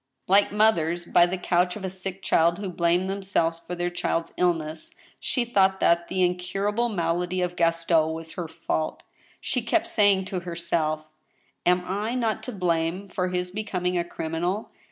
Like mothers by the couch of a sick child who. blame themselves for their child's illness, she thought that the incur able malady of Gaston was her fault. She kept saying, to her self: " Am I not to blame for his becoming a criminal